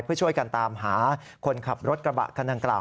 เพื่อช่วยกันตามหาคนขับรถกระบะคันดังกล่าว